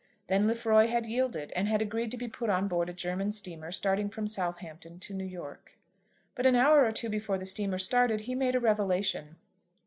Then Lefroy had yielded, and had agreed to be put on board a German steamer starting from Southampton to New York. But an hour or two before the steamer started he made a revelation.